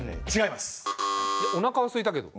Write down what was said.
おなかはすいたけど？